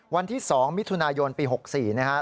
วันที่๒มิถุนายนปี๖๔นะครับ